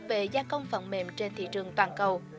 về gia công phần mềm trên thị trường toàn cầu